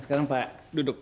sekarang pak duduk